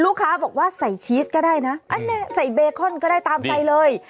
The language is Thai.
ลูกค้าบอกว่าใส่ชีสก็ได้นะอันนี้ใส่เบคอนก็ได้ตามใจเลย